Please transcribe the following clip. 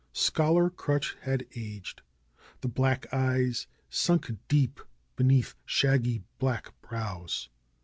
Scholar Crutch had aged. The black eyes sunk deep beneath shaggy black brows.